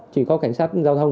chỉ có cảnh sát giao thông